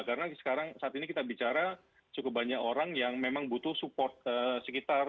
karena sekarang saat ini kita bicara cukup banyak orang yang memang butuh support sekitar